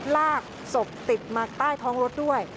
ลากศพติดมาใต้ท้องรถด้วย